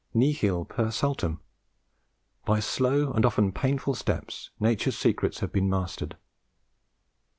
Nihil per saltum. By slow and often painful steps Nature's secrets have been mastered.